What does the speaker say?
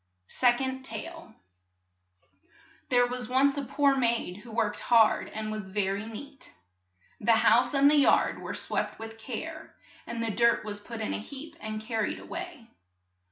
SECOND TALE THERE was once a poor maid who worked hard and was ver y neat. The house and the yard were swept with care, and the dirt was put in a heap and car ried a way.